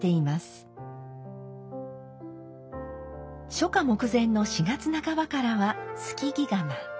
初夏目前の４月半ばからは透木釜。